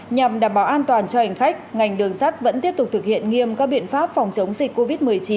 nhằm đảm bảo an toàn cho hành khách ngành đường sắt vẫn tiếp tục thực hiện nghiêm các biện pháp phòng chống dịch covid một mươi chín